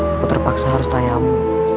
aku terpaksa harus tanyamu